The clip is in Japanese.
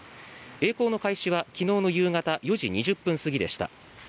えい航の開始は昨日の夕方４時２０分過ぎでした。